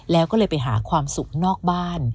แล้วก็เลยไปหาความสุขนอกบ้าน